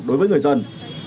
đối với người dân